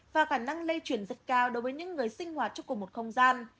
và khả năng lây chuyển rất cao đối với những người sinh hoạt trong cùng một không gian